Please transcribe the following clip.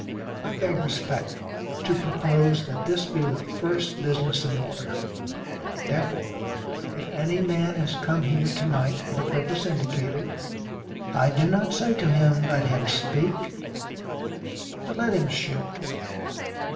I beg respectfully to propose that this be the first business in order: therefore if any man has come here to night for the purpose indicated, I do not say to him let him speak, but let him shoot."